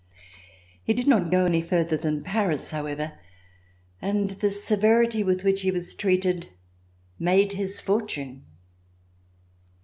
He did not go any further than Paris, however, and the severity with which he was treated made his fortune.